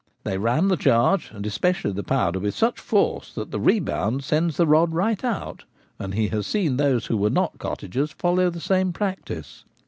They ram Old Folks and their Firelocks* 201 the charge, and especially the powder, with such force that the rebound sends the rod right out, and he has seen those who were not cottagers follow the same practice.